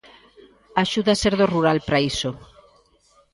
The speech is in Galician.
Axuda ser do rural para iso.